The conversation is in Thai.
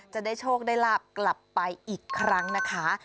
จะได้โชคได้ลาบกลับไปอีกครั้งนะคะ